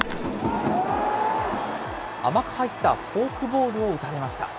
甘く入ったフォークボールを打たれました。